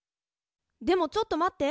でもちょっと待って。